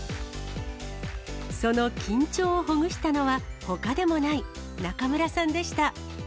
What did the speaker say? その緊張をほぐしたのは、ほかでもない、中村さんでした。